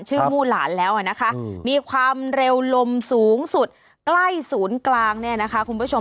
มู่หลานแล้วนะคะมีความเร็วลมสูงสุดใกล้ศูนย์กลางเนี่ยนะคะคุณผู้ชม